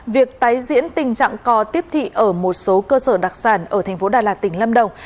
việc tái diễn tình trạng co tiếp thị ở một số cơ sở đặc sản ở thành phố đà lạt tỉnh lâm đồng